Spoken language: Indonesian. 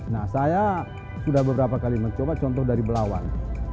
nah saya sudah beberapa kali mencoba contoh dari belawan